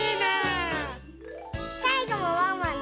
さいごもワンワンだよ！